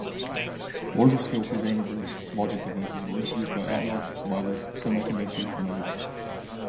Larger-scale programmable logic devices were introduced by Atmel, Lattice Semiconductor, and others.